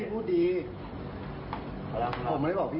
ผมไม่ได้เป็นไรหรอกพี่